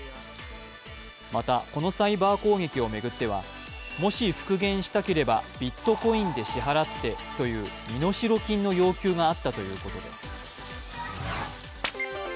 また、このサイバー攻撃を巡っては「もし復元したければビットコインで支払って」という身代金の要求があったということです。